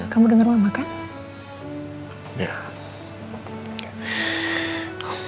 kamu denger mama kan